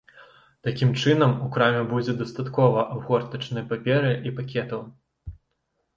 Такім чынам, у краме будзе дастаткова абгортачнай паперы і пакетаў.